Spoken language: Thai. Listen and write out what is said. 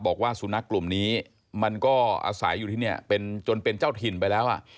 บอกว่าสุนัขกลุ่มนี้มันก็อาศัยอยู่ที่นี่จนเป็นเจ้าถิ่นไปแล้ว